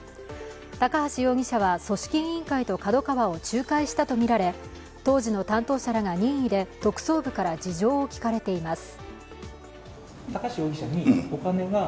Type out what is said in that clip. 高橋容疑者は組織委員会とＫＡＤＯＫＡＷＡを仲介したとみられ当時の担当者らが任意で特捜部から事情を聴かれています。